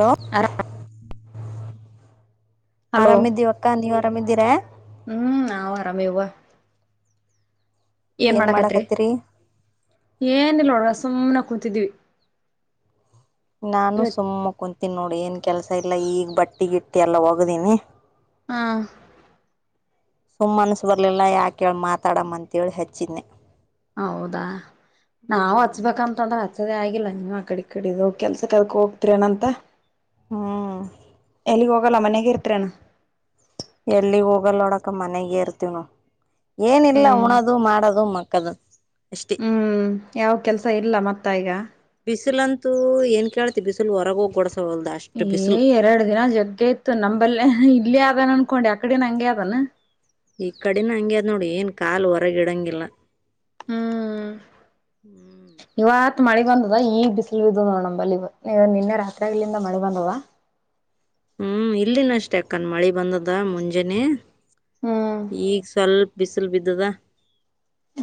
Hello, ಆರಾಮ್ hello ಆರಾಮಿದ್ದಿವಕ್ಕ ನೀವ್ ಆರಾಮಿದ್ದೀರಾ ಹ್ಮ್, ನಾವು ಆರಾಮೀದಿವಾ ಏನ್ ಮಾಡಕತ್ರಿ ಏನಿಲ್ಲ ನೋಡ್ರಿ ಸುಮ್ನೆ ಕೂತಿದೀವಿ. ನಾನು ಸುಮ್ಮ ಕುಂತೀನಿ ನೋಡಿ ಏನ್ ಕೆಲಸ ಇಲ್ಲ ಈಗ ಬಟ್ಟಿ-ಗಿಟ್ಟಿ ಎಲ್ಲ ಹೋಗ್ದೀನಿ. ಹಾ, ಸುಮ್ಮ ಮನಸ್ಸು ಬರ್ಲಿಲ್ಲ ಯಾಕೆೇಳಿ ಮಾತಾಡಮ್ಮ ಅಂತೇಳಿ ಹೆಚ್ಚಿದ್ದೆ. ಹೌದಾ ನಾವು ಹ್ಮ್ ಹಚ್ಬೇಕಂತಂದ್ರೆ ಹಚ್ಚದೆೇ ಆಗಿಲ್ಲ ನೀವ ಆ ಕಡೆ ಇ ಕಡಿ ಕೆಲ್ಸಕ್ಕೆ ಅದಕ ಹೋಗ್ತರಿ ಏನಂತ ಹ್ಮ ಎಲ್ಲಿಗ್ ಹೋಗಲ್ಲ ಮನೆಗೆ ಇರ್ತರೆನ್ [inaudible] ಎಲ್ಲಿಗೆ ಹೋಗಲ್ ನೋಡ ಅಕ್ಕ ಮನೆಗ ಇರ್ತೀವಿ ನಾವ್ ಏನಿಲ್ಲ ಹ್ಮ್ ಉಣದು ಮಾಡೋದು ಮಕ್ಕಣದು ಇಷ್ಟೇ. ಹ್ಮ್ ಯಾವ ಕೆಲ್ಸ ಇಲ್ಲ ಮತ್ತ ಈಗ ಬಿಸಿಲಂತೂ ಏನ್ ಕೇಳ್ತಿ ಬಿಸಿಲು ಹೊರಗೋಗಿ ಗಡಸವಲ್ದ ಅಷ್ಟು ಏ ಬಿಸಿಲು ಎರಡು ದಿನ ಜಗ್ಗೆ ಇತ್ತು ನಂಬಲ್ಲ ಇಲ್ಲೇ ಆದಾನ ಅನ್ಕೊಂಡಿ ಅಕಡನ ಹಂಗೆ ಅದಾನ ಈ ಕಡಿನ ಹಂಗ್ಯ ಅದ್ ನೋಡಿ ಏನ್ ಕಾಲ್ ಹೊರಗ ಇಡಂಗಿಲ್ಲ. ಹ್ಮ್ ಹ್ಮ್ ಇವತ್ ಮಳೆ ಬಂದದ ಈ ಬಿಸಿಲು ಬಿದ ನೋಡ ನಂಬಲ್ಲಿ ಇವತ್ ನಿನ್ನೆ ರಾತ್ರಿಗಳಿಂದ ಮಳೆ ಬಂದದ ಹ್ಮ್ ಇಲ್ಲಿನ ಅಷ್ಟೆ ಅಕ್ಕನ್ ಮಳಿ ಬಂದದ ಮುಂಜಾನೇ ಹ್ಮ್ ಈಗ ಸ್ವಲ್ಪ ಬಿಸಿಲು ಬಿದ್ದದ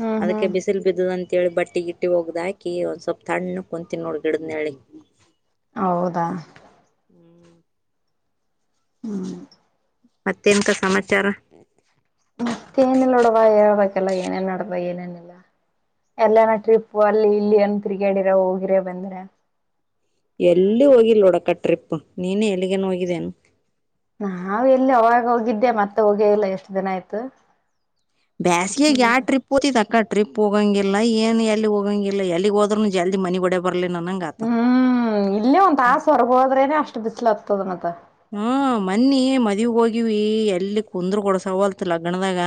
ಹ್ಮ್ ಅದಕ್ಕೆ ಹ್ಮ್ ಬಿಸಿಲು ಬಿಸಲು ಬಿದ್ದದ ಅಂತೇಳಿ ಬಟ್ಟಿ ಗಿಟ್ಟಿ ಒಗದ ಹಾಕಿ ಒಂದ್ ಸ್ವಲ್ಪ ತಣ್ಣಗ ಕುಂತಿನಿ ನೋಡ್ ಗಿಡದ್ ನೆಳಗಿ ಹೌದಾ ಹ್ಮಞ ಮತ್ತೆಂತ ಸಮಾಚಾರ ಮತ್ತ ಏನಿಲ್ಲ ನೋಡವ ಹೇಳ್ಬೇಕಲ್ಲ ಏನೇನ್ ನಡದ ಏನೇನ ಇಲ್ಲ. ಎಲ್ಲನ ಟ್ರಿಪ್ ಅಲ್ಲಿ ಇಲ್ಲಿ ಏನ್ ತಿರುಗಾಡಿರ ಹೋಗಿರ ಬಂದ್ರೆ ಎಲ್ಲಿ ಹೋಗಿಲ್ಲ ನೋಡಕ ಟ್ರಿಪ್ ನೀನ ಎಲ್ಲಿಗೇನ್ ಹೋಗಿದ್ದೇನು ನಾವ ಎಲ್ಲಿ ಅವಾಗ ಹೋಗಿದ್ದೆ ಮತ್ತೆ ಹೋಗೇ ಇಲ್ಲ ಎಷ್ಟು ದಿನ ಆಯ್ತು. ಬ್ಯಾಸಿಗೆ ಯಾವ ಮತ್ತ ಟ್ರಿಪ್ ಕೂತಿದ ಅಕ್ಕ ಟ್ರಿಪ್ ಹೋಗೋಂಗಿಲ್ಲ ಏನು ಎಲ್ಲಿ ಹೋಗೋಂಗಿಲ್ಲ ಎಲ್ಲಿಗೆ ಹೋದ್ರೂ ಜಲ್ದ ಮನಿಗೆ ಓಡಿ ಬರಲಿ ನಂನಂಗ. ಹ್ಮ್ ಇಲ್ಲೇ ಒಂದ್ ತಾಸ ಹೊರಗ ಹೋದ್ರೇನೆ ಅಷ್ಟ್ ಬಿಸ್ಲ ಹತ್ತದ ಮತ್ತ ಹಾ ಮನ್ನಿ ಮದ್ವಿ ಹೋಗಿವಿ ಎಲ್ಲಿ ಕುಂದ್ರ ಕೊಡ ಸವಲ್ತ್ ಲಗ್ಗಣದಾಗ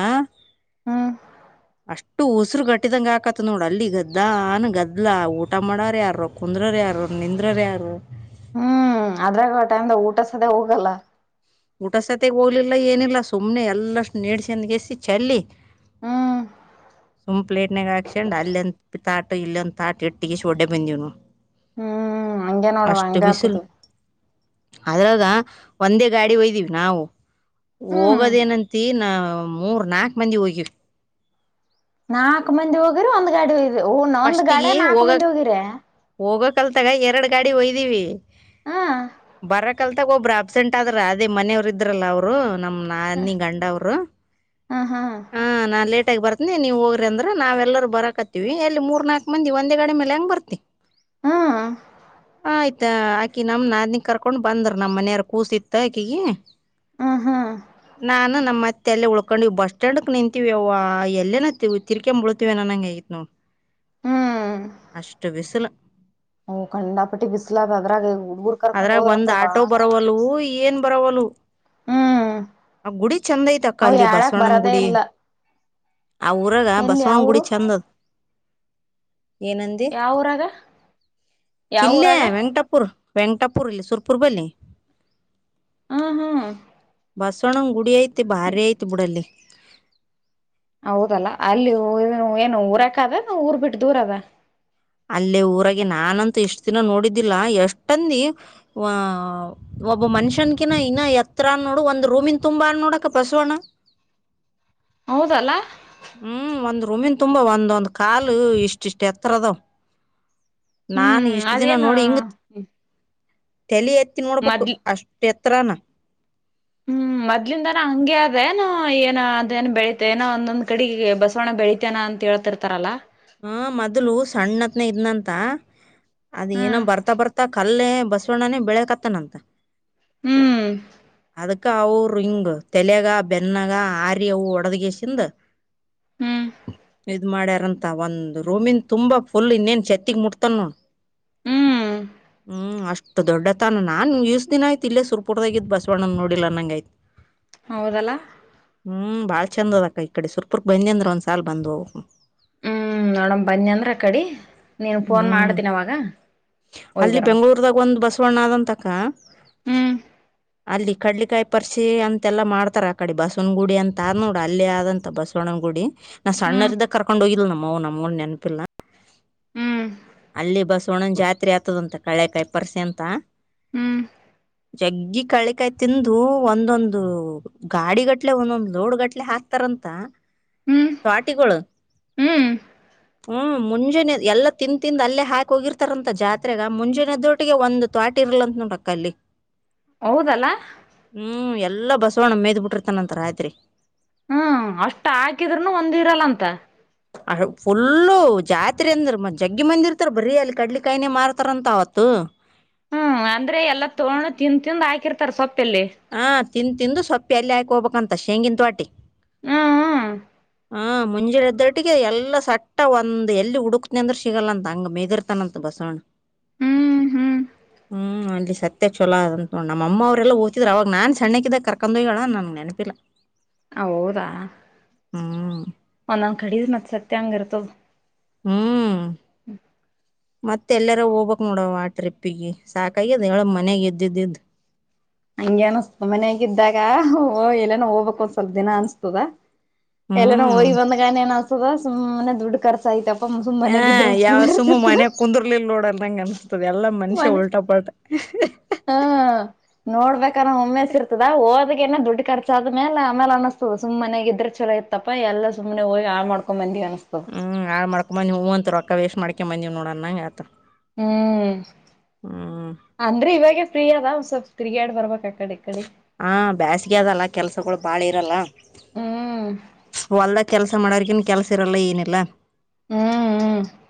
ಹ್ಮ್ [inaudible] ಅಷ್ಟು ಉಸಿರು ಕಟ್ಟಿದಂಗ ಆಗಕತ್ ನೋಡ ಅಲ್ಲಿ ಗದ್ದಾನ ಗದ್ಲಾ ಊಟ ಮಾಡಾರ ಯಾರೊ ಕುಂದ್ರರು ಯಾರು ನಿಂದ್ರರು ಯಾರು ಹ್ಮ್ ಅದ್ರಾಗ ಆ ಟೈಮ್ದಾಗ ಊಟ ಸದೇ ಹೋಗಲ್ಲ ಊಟ ಸತೆಗೆ ಹೋಗ್ಲಿಲ್ಲ ಏನಿಲ್ಲ ಸುಮ್ಮನೆ ಎಲ್ಲ ನೇಡ್ಸಂದಗೆಸಿ ಚೆಲ್ಲಿ ಹ್ಮ್ ಸುಮ್ ಪ್ಲೇಟ್ನಾಗ ಹಾಕ್ಸುಕೊಂಡ ಅಲ್ಲಿ ಅಂತ ತಾಟ ಇಲ್ಲಿಂತ ತಾಟ ಇಟ್ಟಕೇಸೇ ಒಡ್ಡೆ ಬಂದಿವ ನೋಡ್ ಹ್ಮ್ ಹಂಗೆ ನೋಡುವ ಅಷ್ಟು ಹಂಗ ಬಿಸಿಲ್ ಆತದು ಅದ್ರಾಗ ಒಂದೇ ಗಾಡಿ ವಯ್ದೀವಿ ನಾವು ಹ್ಮ್ ಹೋಗೋದೇನಂತಿ ನಾ ಮೂರ್ ನಾಕ್ ಮಂದಿ ಹೋಗಿವ್ ನಾಕ್ ಮಂದಿ ಹೋಗಿರು ಒಂದ್ ಗಾಡಿ ವೈದಿ ಒನ್ ಒಂದ್ ಫಸ್ಟಿಗೆ ಗಾಡ್ಯಗ ನಾಕ್ ಮಂದಿ ಹೋಗಕ್ ಹೋಗಿರ್ಯ ಹೋಗೋ ಕಲ್ತಗ ಎರಡು ಗಾಡಿ ವಯ್ದೀವಿ ಹ ಬರಕಲ್ ತಾಗ ಒಬ್ರಾ ಅಬ್ಸೆಂಟ್ ಆದ್ರ ಅದೇ ಮನೆಯವರು ಇದ್ರಲ್ಲ ಅವ್ರು ನಮ್ ನಾದನಿ ಗಂಡ ಅವ್ರು ಅ ಹಾ ಹಾ ನಾನ್ ಲೇಟ ಆಗಿ ಬರ್ತೀನಿ ನೀವು ಹೋಗ್ರಿ ಅಂದ್ರ ನಾವೆಲ್ಲರು ಬರಕತ್ತೀವಿ ಎಲ್ಲಿ ಮೂರ್ ನಾಕ್ ಮಂದಿ ಒಂದೇ ಗಾಡಿ ಮೇಲ್ ಹೆಂಗ್ ಬರ್ತಿ ಹ್ಮ್ ಆಯ್ತಾ ಅಕಿ ನಮ್ ನಾದಿನಿಗ್ ಕರ್ಕೊಂಡ್ ಬಂದ್ರ ನಮ್ಮ ಮನೆಯಾರ್ ಕೂಸಿತ್ ಆಕಿಗಿ ಆ ಹಾ ನಾನು ನಮ್ಮ ಅತ್ತೆ ಅಲ್ಲೇ ಉಳ್ಕೊಂದ್ವಿ ಬಸ್ ಕಂಡಕ್ ನಿಂತೀವ ಯವ್ವ ಎಲ್ಲೇನ ತಿರ್ಕಂಬೀಳತಿವ್ ಎನ್ ಅನಂಗ್ ಆಗಿತ್ತು ನೋಡ್ ಹ್ಮ್ ಅಷ್ಟು ಬಿಸಲ. ಅವು ಕಂಡಾಪಟ್ಟಿ ಬಿಸ್ಲದ ಅದ್ರಾಗ ಹುಡ್ಗುರ್ ಕರ್ಕೊಂಡ್ ಅದ್ರಾಗ ಒಂದ ಹೋದ್ರಂತ್ರ ಆಟೋ ಬಾಳ ಬರವಲ್ಲು ಏನ ಬರವಲ್ಲು. ಹ್ಮ್ ಆ ಗುಡಿ ಚಂದ ಐತ ಅಕ್ಕ ಅವು ಅಲ್ಲಿ ಯಾಳಕ್ ಬಸವಣ್ಣನ. ಬರದೇ ಇಲ್ಲ ಆ ಊರಗ ಎಲ್ಲಿ ಬಸವಣಗುಡಿ ಯಾವರು ಚೆಂದದ. ಏನಂದಿ ಯಾವಊರಾಗ ಕಿಲ್ಲೇ ಯಾವಊರಾಗ ವೆಂಕಟಪುರ. ವೆಂಕಾಟಪುರ ಇಲ್ಲ ಸುರಪುರ ಬಲ್ಲಿ. ಹ್ಮ ಹಾ ಬಸವಣ್ಣನ ಗುಡಿ ಐತಿ ಭಾರಿ ಐತಿ ಬಿಡಲ್ಲಿ. ಹೌದಲ್ಲ ಅಲ್ಲಿ ಏನು ಊರಾಕದ ಎನ್ ಊರ್ ಬಿಟ್ಟು ದೂರ ಅದ. ಅಲ್ಲೇ ಊರಾಗೆ ನಾನಂತೂ ಎಷ್ಟ ದಿನ ನೋಡಿದ್ದಿಲ್ಲ ಎಷ್ಟಂದಿ ವ ಒಬ್ಬ ಮನುಷ್ಯನ್ಕಿನ ಇನ್ನ ಎತ್ರ ಹಾನ್ ನೋಡು ಒಂದ ರೂಮಿನ ತುಂಬಾ ಆನ್ ನೋಡ ಅಕ್ಕ ಬಸವಣ್ಣ. ಹೌದಲ್ಲ. ಹ್ಮ್ ಒಂದ್ ರೂಮಿನ್ ತುಂಬಾ ಒಂದೊಂದ್ ಕಾಲು ಇಷ್ಟ ಇಷ್ಟ್ ಎತ್ರ ಅದಾವ. ನಾನ್ ಹ್ಮ್ ಇಷ್ಟ ದಿನ ಅದೇನು ನೋಡಿ ಹಿಂಗತ್ ತೆಲಿ ಎತ್ತಿ ನೋಡ್ಬೇಕು ಮದ್ಲಿ ಅಷ್ಟ್ ಎತ್ರನಾ. ಹ್ಮ್ ಮೊದ್ಲಿಂದಾನ ಹಂಗೆ ಅದೇನ ಏನ ಅದೇಏನ್ ಬೆಳೀತ ಏನೋ ಒಂದೊಂದ್ ಕಡಿಗಿ ಬಸವಣ ಬೆಳೀತ ತಾನ ಅಂತ ಹೇಳ್ತಿರ್ತಾರಲ್ಲಾ. ಹಾ ಮೊದ್ಲು ಸಣ್ಣತ್ನೆ ಇದ್ನಂತ ಅದ ಏನೋ ಹ್ಮ್ ಬರ್ತಾ ಬರ್ತಾ ಕ ಅಲ್ಲೇ ಬಸವಣ್ಣನೆ ಬೆಳ್ಯಯಕತನಂತ. ಹ್ಮ್ ಅದಕ್ಕ ಅವರಿಂಗ್ ತೆಲ್ಯಾಗ ಬೆನ್ನಾಗ ಆರಿ ಅವು ಒಡದಗೆಸಿಂದ. ಹ್ಮ್ ಇದ್ ಮಾಡ್ಯಾರಂತ ಒಂದ್ ರೂಮಿನ್ ತುಂಬಾ ಫುಲ್ ಇನ್ನೇನ್ ಚತ್ತಿಗ್ ಮುಟ್ತಾನ್ ನೋಡ್. ಹ್ಮ್ ಹ್ಮ್ ಅಷ್ಟ ದೊಡ್ಡತನ ನಾನ್ ಈಸ್ ದಿನ ಆಯ್ತ ಇಲ್ಲೆ ಸುರ್ಪುದಾಗ ಇದ್ ಬಸ್ವಣನ ನೋಡಿಲ್ಲನ್ನಾಂಗ ಆಯ್ತ. ಹೌದಲ್ಲಾ. ಹ್ಮ್ ಭಾಳ ಚಂದ ಅದ ಅಕ್ಕ ಈ ಕಡೆ ಸುರಪುರ ಕ ಬಂದಿ ಅಂದ್ರ ಒಂದಸಲ ಬಂದ ಹೋಗ್. ಹ್ಮ್ ನೋಡಮ ಬನ್ನಿ ಅಂದ್ರ ಅಕಡಿ ನೀನು ಫೋನ್ ಹ್ಮ್ ಮಾಡ್ತೀನಿ ಅವಾಗ. ಹೋಗಿ ಅಲ್ಲಿ ಬರಮ್ ಬೆಂಗಳೂರದಾಗ ಒಂದ ಬಸವಣ್ಣ ಆದಂತ ಅಕ್ಕ. ಹ್ಮ್ ಅಲ್ಲಿ ಕಡ್ಲಿಕಾಯಿ ಪರ್ಸಿ ಅಂತ ಎಲ್ಲಾ ಮಾಡ್ತಾರ. ಆಕಡಿ ಬಸವನ ಗುಡಿ ಅಂತ ಆದ ನೋಡು ಅಲ್ಲೇ ಆದಂತ ಬಸ್ವ್ ಬಸವಣ ಗುಡಿ ನಾ ಹ್ಮ್ ಸಣ್ಣವರಿದಾಗ ಕರ್ಕೊಂಡ ಹೋಗಿಲ್ಲ ನಮ್ಮಅವ್ವ ನಮ್ಮುಗು ನೆನಪಿಲ್ಲಾ. ಹ್ಮ್ ಅಲ್ಲಿ ಬಸವಣ್ಣದು ಜಾತ್ರಿ ಆತದಂತ ಕಡ್ಲೆಕಾಯಿ ಪರ್ಸೆ ಅಂತ. ಹ್ಮ್ ಜಗ್ಗಿ ಕಳ್ಳಿಕಾಯಿ ತಿಂದು ಒಂದೊಂದು. ಗಾಡಿ ಗಟ್ಲೆ ಒಂದೊಂದ ಲೋಡ ಗಟ್ಲೆ ಹಾಕ್ತಾರಂತ. ಹ್ಮ್ ತ್ವಟಿಗೊಳ ಹ್ಮ್ ಹ್ಮ ಮುಂಜಾನೆ ಎಲ್ಲಾ ತಿಂದ ತಿಂದ ಅಲ್ಲೇ ಹಾಕ ಹೋಗಿರ್ತಾರಂತ ಜಾತ್ರಾಗ ಮುಂಜಾನೆ ಎದ್ದೋಟಿಗೆ ಒಂದು ತ್ವಾಟಿ ಇರ್ಲ ಅಂತ ನೋಡಕ್ಕ ಅಲ್ಲಿ. [inaudible] ಹೌದಲ್ಲಾ. ಹ್ಮ್ ಎಲ್ಲಾ ಬಸವಣ್ಣ ಮೇದ್ ಬಿಟ್ಟಿರ್ತಾನಂತ ರಾತ್ರಿ. ಹ್ಮ್ ಅಷ್ಟ್ ಹಾಕಿದ್ರುನು ಒಂದ್ ಇರಲ್ಲ ಅಂತ. ಅ ಫುಲ್ಲು ಜಾತ್ರೀ ಅಂದ್ರ ಮತ್ತ್ ಜಗ್ಗಿ ಮಂದಿ ಇರ್ತಾರ ಬರೀ ಅಲ್ಲಿ ಕಡ್ಲಿ ಕಾಯಿನೇ ಮಾರ್ತಾರಂತ ಅವತ್ತು. ಹ್ಮ್ ಅಂದ್ರೆ ಎಲ್ಲಾ ತೊಂಡ ತಿಂದ ತಿಂದ ಹಾಕಿರ್ತಾರ ಸೊಪ್ಪ ಏಲ್ಲಿ. ಹಾ ತಿಂದು ತಿಂದು ಸ್ವಪ್ಪಿ ಅಲ್ಲಿ ಹಾಕ ಹೋಗಬೇಕಂತ ಶೇಂಗಿನ್ ತ್ವಾಟಿ. ಹ್ಮ್ ಹ್ಮ ಹ ಮುಂಜೆನ್ ಏದ್ದಟ್ಟಿಗೆ ಎಲ್ಲ ಸಟ್ಟ ಒಂದ ಎಲ್ಲಿ ಹುಡುಕ್ನ ಅಂದ್ರ ಸಿಗಲ್ಲಂತ ಹಂಗ ಮೆದಿರ್ ತನಂತ ಬಸವಣ್ಣ ಹ್ಮ್ ಹ್ಮ್ ಹ್ಮ್ ಅಲ್ಲಿ ಸ ಮತ್ತೆ ಚಲೋ ಅದತ್ ನೊಂಡು ನಮ್ಮ ಅಮ್ಮ ಅವ್ರೆಲ್ಲ ಹೊತಿದ್ರು ಅವಾಗ ನನ್ ಸಣ್ಣ ಆಕಿದಾಗ ಕರಕೊಂಡ್ ಹೋಗ್ಯಾಲ ನನಗೆ ನೆನಪಿಲ್ಲ. ಹೌದಾ ಹ್ಮ್ ಒಂದೊಂದು ಕಡಿದ್ ಮತ್ತ್ ಸತ್ಯ ಹಂಗ ಇರ್ತದ್ ಹ್ಮ್ ಮತ್ತೆ ಎಲ್ಲಾರು ಹೋಗ್ಬೇಕ್ ನೋಡವ ಆ ಟ್ರಿಪ್ಪಿಗೆ ಸಾಕಾಗದ್ ಹೇಳ ಮನೆಗೆ ಇದ್ದಿದ್ದು. ಹಂಗೆ ಅನಿಸತದ್ ಮನ್ಯಾಗಿದ್ದಾಗ ಎಲ್ಲಾನ ಹೋಗ್ಬೇಕ್ ಒಂದ್ ಸ್ವಲ್ಪ ದಿನ ಅನ್ಸತ್ತದ. ಎಲ್ಲನ ಹ್ಮ್ ಹೋಗಿ ಬಂದಗಾನ ಏನ್ ಅನ್ಸದ ಸುಮ್ಮನೆ ದುಡ್ಡು ಕರ್ಚ್ ಆಯತಪ್ಪ ಆ ಯಾವ ಸುಮ್ಮ ಮನೆ ಕುಂದರ್ಲಿಲ್ ನೋಡನಂಗ್ ಅನ್ಸ್ತದೆ ಎಲ್ಲಾ ಮನುಷ್ಯ ಮನೆ ಉಲ್ಟಾಪಾಲ್ಟ. ಹಾ ನೋಡ್ಬೇಕಾನ ಒಮ್ಮೆ ಇರ್ತದಾ ಹೋಗಿ ಏ ದುಡ್ಡು ಖರ್ಚಾದ ಆದ್ಮೇಲೆ ಆಮೇಲೆ ಅನಸ್ತದೆ ಸುಮೆ ಮನೆಗಿದ್ರಾ ಇದ್ರೆ ಚಲೋ ಇತ್ ತಪಾ ಎಲ್ಲಾ ಸುಮ್ಮನೆ ಹೋಗಿ ಹಾಳ್ ಮಾಡಿಕೊಂಡು ಬಂದಿವಿ ಅನಿಸ್ತಾದ. ಹ್ಮ್ ಹಾಳು ಮಾಡಿಕೊಂಡು ಬಂದೀನಿ ಹ್ಮ್ ರೊಕ್ಕ ವೇಸ್ ಮಾಡ್ಯಕ್ ಬಂದಂಗ ಆಯ್ತು ಹ್ಮ್ ಹ್ಮ ಅಂದ್ರೆ ಇವಾಗೆ ಫ್ರೀ ಅದ ಒಂದು ಸ್ವಲ್ಪ ತಿರ್ಗಾಡ್ ಬರ್ಬೇಕ್ ಆ ಕಡೆ ಈ ಕಡೆ ಹ ಬೇಸ್ಗೆ ಅದೆಲ್ಲ ಕೆಲಸಗಳು ಬಾಳ್ ಇರಲ್ಲ. ಹ್ಮ್ ಹೊಲ್ದಾಗ ಕೆಲಸ ಮಾಡರ್ಕಿನ್ ಕೆಲಸ ಇರಲ್ಲ ಏನಿಲ್ಲ. ಹ್ಮ್ ಹ್ಮ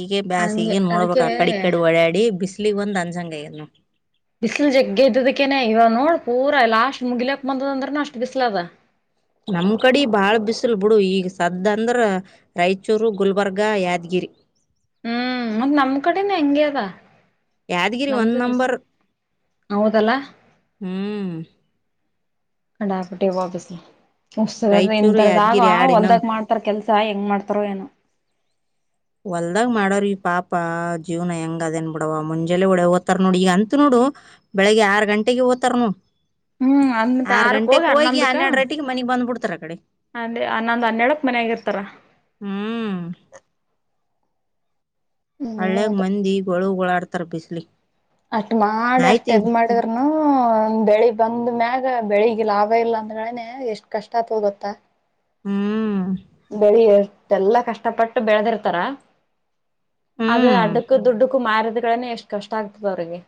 ಈಗೆ ಬ್ಯಾಸ್ ಹಂಗೆ ಈಗೇನ್ ನೋಡ್ಬೇಕ್ ಅದಕ್ಕೆ ಆಕ್ಕಡಿ ಈ ಕಡಿ ಒಡ್ಯಾಡಿ ಬಿಸ್ಲಿಗ್ ಒಂದ್ ಅನ್ಸಂಗಯನು. ಬಿಸಿಲು ಜಗ್ಗೆ ಇದ್ದದಕ್ಕೇನೆ ಇವ ನೋಡ್ ಪೂರಾ ಲಾಸ್ಟ್ ಮುಗಿಲಕ್ ಬಂದ ಅದಂದ್ರನು ಅಷ್ಟು ಬಿಸ್ಲದ್ ನಮ್ ಕಡಿ ಬಾಳ ಬಿಸಿಲ್ ಬುಡು ಈಗ ಸದ್ದ್ ಅಂದ್ರೆ ರಾಯಚೂರು ಗುಲ್ಬರ್ಗ ಯಾದಗಿರಿ ಹ್ಮ್ ಮತ್ ನಮ್ ಕಡೆನೂ ಹೆಂಗೆ ಅದ ಯಾದಗಿರಿ ಒಂದ್ ನಮ್ದು ಬಿಸ್ ನಂಬರ್ ಹೌದಲ್ಲ. ಹ್ಮ್ ಕಡಬಿಟ್ಟಿ ಬಿಸಿಲೂ ಉಸ್ರ್ದ ರಾಯಚೂರು ಇಥರದ ಆಗ ಯಾದಗಿರಿ ಯಾಡ್ ಇನ್ನ ಹೊಲ್ದಾಗ ಮಾಡ್ತ್ ತ್ತಾರ್ ಕೆಲಸ ಹೆಂಗ್ ಮಾಡ್ತಾರೊ ಏನೋ. ಹೊಲ್ದಾಗ್ ಮಾಡವ ಈ ಪಾಪ ಜೀವನ ಹೆಂಗ್ ಅದೇನ್ ಬಿಡವ ಮುಂಜೆಲ್ಲೆ ಒಳ ಹೊತಾರ ನೋಡು ಈಗ ಅಂತೂ ನೋಡು ಬೆಳಿಗ್ಗೆ ಆರು ಗಂಟೆಗೆ ಹೊತಾರ್ ನೋಡ್ ಹ್ಮ್ ಅಂತ ಆರುಕ್ಕೆ ಹೋಗಿ ಹನ್ನೊಂದಕ್ಕ. ತ್ತತ್ರ ಆಕಡೆ ಅಂದ್ರೆ ಹನೊಂದು ಹನ್ನೆರಡಕ್ ಮನೆಗಾ ಇರುತ್ತಾರಾ. ಹ್ಮ್ ಹಂಗೆ ಹಳ್ಳ್ಯಾಗ್ ಮತ್ತೆ ಮಂದಿ ಗೂಳು ಗೋಳಯಾಡ್ತಾರ ಬಿಸಿಲಿಗೆ ಅಷ್ಟ್ ಮಾಡಿ ಅಷ್ಟ್ ಎದ್ ಮಾಡಿದ್ [inaudible] ಒಂದ್ ಬೆಳಿ ಬಂದು ಮ್ಯಾಗ ಬೆಳಿಗೆ ಲಾಭ ಇಲ್ಲ ಅಂದ್ರೆನೆ ಎಷ್ಟು ಕಷ್ಟ ಆಗುತ್ತೆ ಗೊತ್ತಾ. ಹ್ಮ್ ಬೆಳಿ ಎಷ್ಟು ಎಲ್ಲಾ ಕಷ್ಟ ಪಟ್ಟು ಬೆಳದಿರ್ತಾರ. ಅದೇ ಹ್ಮ್ ಅಡ್ಡಕ್ಕೂ ದುಡ್ಡುಕ್ಕೂ ಮಾರಿದ್ದಾರೆನೇ ಎಷ್ಟ್ ಕಷ್ಟ ಆಗ್ತದೆ ಅವ್ರಿಗೆ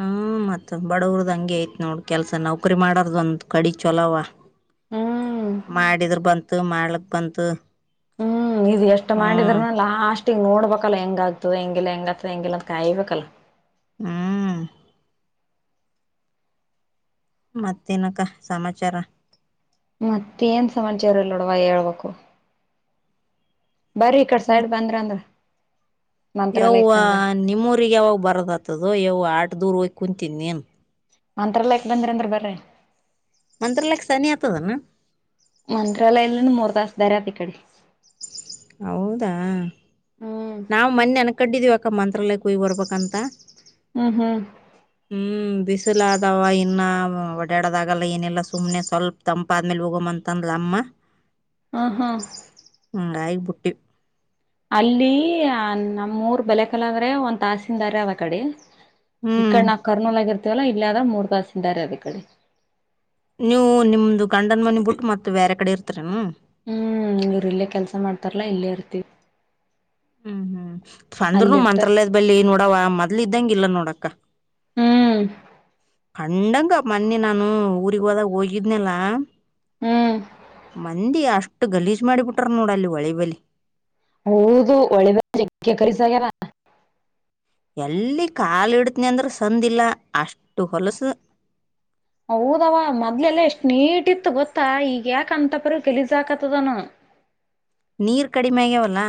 ಹ್ಮ್ ಮತ್ತೆ ಬಡವರದ್ ಹಂಗೆ ಐತ್ ನೋಡ್ ಕೆಲಸ ನೌಕರಿ ಮಾಡದು ಒಂದ್ ಕಡಿ ಚಲಾವ. ಹ್ಮ್ ಮಾಡಿದ್ರೆ ಬಂತು ಮಾಡ್ಲಕ್ ಬಂತು. ಹ್ಮ್ ಎಷ್ಟು ಹ್ಮ್ ಮಾಡಿದ್ರನೂ ಲಾಸ್ಟ್ ಈಗ್ ನೋಡ್ಬೇಕಲ್ಲ ಹೆಂಗ ಆಗ್ತದೆ ಹೆಂಗಿಲ್ಲ ಹೆಂಗ್ ಆಗ್ತದೆ ಹೆಂಗಿಲ್ಲ ಅಂತ ಕಾಯಬೇಕಲ್ಲ. ಹ್ಮ್ ಮತ್ತೇನ ಅಕ್ಕ ಸಮಾಚಾರ. ಮತ್ತೆ ಏನ್ ಸಮಾಚಾರ ಇಲ್ಲ ನೋಡವ ಹೇಳ್ಬೇಕು. ಬರ್ರಿ ಈ ಕಡೆ ಸೈಡ್ ಬಂದ್ರ ಅಂದ್ರ. ಯವು ಮಂತ್ರಾಲಯಕ್ ಹಂಗ ನಿಮ್ಮೂರಿಗೆ ಯಾವಾಗ ಬರದ ಆತದ ಯವು ಆಟ ದೂರು ಹೋಗಿ ಕುಂತೀನಿ ನೀನ್. ಮಂತ್ರಲ್ಲಯಾಕ್ ಬಂದ್ರ ಅಂದ್ರ ಬ್ರರಿ. ಮಂತ್ರಲ್ಲಯಕ್ಕ ಸನಿ ಆಗ್ತದನಾ. ಮಂತ್ರಾಲಯಲ್ಲ ಮೂರು ತಾಸ ದಾರ ಅಕೆಡೆ. ಹೌದಾ ಹ್ಮ್ ನಾವು. ಮನ್ನೆ ಅನ ಕಟ್ಟಡಿದೀವಿ ಅಕ್ಕ ಮಂತ್ರಾಲಯ ಹೋಯ್ ಬರ್ಬಬೇಕ್ ಅಂತ. ಹ್ಮ ಹ್ಮ ಹ್ಮ್ ಬಿಸಿಲವ ಇನ್ನ ಓಡಾಡದಾಗಲ್ಲ ಏನಲ್ಲ ಸುಮ್ಮ್ನೆ ಸ್ವಲ್ಪ. ತಂಪಾದ್ಮೇಲೆ ಹೋಗ್ಂತಂದ ಲಮ್ಮ. ಹಾ ಹಾ ಹ ಆಗಗ್ಬುಟ್ಟಿ ಅಲ್ಲಿ ನಮ್ಮೂರ್ ಬೆಲೆ ಕಾಲಾದ್ರೆ ಒಂದ ತಾಸಿಂದಾರ ಅವ ಕಡೆ. ಈ ಹ್ಮ್ ಕಡೆ ನಾ ಕರ್ನೋಲ ಆಗ ಇರ್ತೇವಲ್ಲ ಇಲ್ಲ ಆದ ಮೂರ್ ತಾಸ್ ಇದಿಂದಾರೆ ಅದ ಈ ಕಡೆ. ನೀವು ನಿಮ್ದು ಗಂಡನ್ ಮನಿ ಬಿುಟ್ಟು ಮತ್ತೆ ಬೇರೆ ಕಡೆ ಇರ್ತರನು. ಹ್ಮ್ ಇವರ್ ಇಲ್ಲೇ ಕೆಲ್ಸ ಮಾಡ್ತಾರಾ ಇಲ್ಲೇ ಇರ್ತಿವಿ. ಹ್ಮ್ ಹ್ಮ್ ಅಲ್ಲಿ ಅಂದ್ರುನು ಇರ್ತ ಮಂತ್ರಾಲಯದ ಬಳಿ ನೋಡವ ಮೊದ್ಲ ಇದ್ದಂಗ ಇಲ್ಲ ನೋಡಕ್ಕ. ಹ್ಮ್ ಹಂಡಂಗ ಮೊನ್ನಿ ನಾನು ಊರಿಗ್ ಹೋದಾಗ ಹೋಗಿದ್ನಲ್ಲ. ಹ್ಮ್ ಮಂದಿ ಅಷ್ಟು ಗಲೀಜ್ ಮಾಡಿಬಿಟ್ರ ನೋಡ ಅಲ್ಲಿ ಒಳಿ ಬಲಿ. ಹೌದು ಒಳ್ಳೆ ಬ ಕಸಾಗ್ಯಾರ. ಎಲ್ಲಿ ಕಾಲ ಇಡ್ತನಿ ಅಂದ್ರೆ ಸಂದ ಇಲ್ಲಾ ಅಷ್ಟು ಹೊಲಸ. ಹೌದವ ಮದ್ಲೆಲ್ಲ ಎಷ್ಟ್ ನೀಟ್ತ್ತು ಗೊತ್ತಾ ಈಗ ಯಾಕಂತಪ್ರ ಗಲೀಜ್ ಆಗಾಕತನ್. ನೀರ್ ಕಡಿಮೆ ಆಗ್ಯಾವಲ್ಲಾ.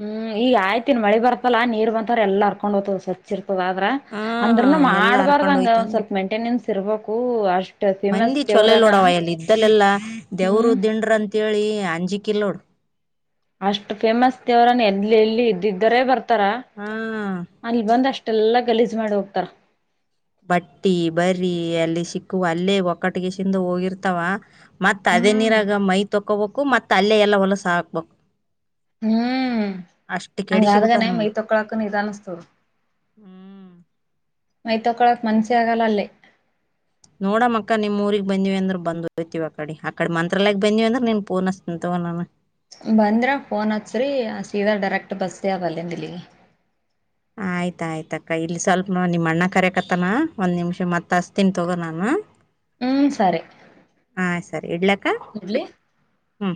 ಹ್ಮ್ ಈಗ ಆಯ್ತನ್ ಮಳಿ ಬರ್ತಲ್ಲಾ ನೀರ್ ಬಂತಾರ ಎಲ್ಲಾ ಅರ್ಕೊಂಡ್ ಹೋಗತದ್ ಸ್ವಚ್ ಇರ್ತದ ಆದ್ರ. ಆ ಅಂದ್ರನು ಎಲ್ಲಾ ಹರ್ಕೊಂಡ್ ಮಾಡ್ಬಾರ್ದಂಗ ಒಂದ ಹೋಯ್ತಂದ್ರ ಸ್ವಲ್ಪ ಮೆಂಟೆನೆನ್ಸ್ ಇರ್ಬೇಕು ಅಷ್ಟ. ಮಂದಿ ಚೊಲಇಲ್ಲಾ ಎಲ್ಲಿ ಇದ್ದಲೆಲ್ಲಾ ದೇವರು ಹ್ಮ್ ದಿಂಡ್ರ ಅಂತೇಳಿ ಅಂಜಿಕಿಲ್ ನೋಡ್. ಅಷ್ಟು ಫೇಮಸ್ ದೇವ್ರ ಎ ಎಲ್ಲಿ ಇದ್ದಿದ್ದರೆೇ ಬರ್ತಾರ. ಹ್ಮ ಅಲ್ಲಿ ಬಂದ್ ಅಷ್ಟೆಲ್ಲಾ ಗಲೀಜ್ ಮಾಡಿ ಹೋಗ್ತಾರ. ಬಟ್ಟಿ ಬರಿ ಅಲ್ಲಿ ಸಿಕ್ಕುವ ಅಲ್ಲೇ ಒಕ್ಕಟ್ಟಿಗೆ ಸಿಂದು ಹೋಗಿರ್ತಾವ. ಮತ್ತ ಅದೇ ಹ್ಮ್ ನೀರಾಗ ಮೈ ತೊಕೋಬೇಕು ಮತ್ ಅಲ್ಲೆ ಎಲ್ಲ ಹೊಲಸ ಹಾಕಬೇಕು. ಹ್ಮ್ ಕೆಡಿಸಿ ಹಂಗಾದ ಬಿಟ್ಟಾರ ಗಾನ ಮೈ ತೊಕ್ಕಳ ಹಕ್ಕ ಇದಅನ್ನಸಾತಿದೆ. ಮೈ ತೊಕೊಳಕ್ ಮನ್ಸಿ ಆಗಲ್ಲ ಅಲ್ಲೇ. ನೋಡ ಮಕ್ಕ ನಿಮ್ಮ ಊರಿಗೆ ಬಂದಿವವಿ ಅಂದ್ರ ಬಂದ ಹೋತೀವಿ ಅ ಕಡೆ ಆಕಡೆ ಮಂತ್ರಾಲಯ ಬಂದಿವವಿಂದ್ರ ನೀನ್ ಪೂನ್ ಅಸತನಿ ತೋ ನಾನು. ಬಂದ್ರೆ ಫೋನ್ ಹತ್ಸ್ರರಿ ಸೀದಾ ಡೈರೆಕ್ಟ್ ಬಸ್ಸೇಗೆ ಆವಲ್ಲಂದಲ್ಲಿಗೆ. ಆಯ್ತ ಆಯ್ತಕ್ಕ ಇಲ್ಲಿ ಸ್ವಲ್ಪ ನಿಮ್ಮ ಅಣ್ಣ ಕರಕತ್ತತನಾ ಒಂದ್ ನಿಮಿಷ ಮತ್ತ ಹಚ್ತೀನಿ ತೊಗೋ ನಾನ. ಹ್ಮ ಸರಿ. ಹಾ ಸರಿ ಇಡ್ಲಕ್ಕ. ಇಡ್ಲಿ ಹ್ಮ್